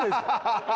ハハハハ！